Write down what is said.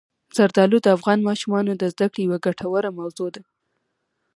زردالو د افغان ماشومانو د زده کړې یوه ګټوره موضوع ده.